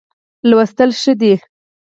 لوستل ښه دی.